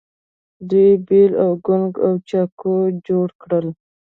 دوی بیل او کلنګ او چاقو جوړ کړل.